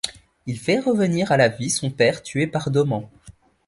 Il fait revenir à la vie son père tué par Dôman.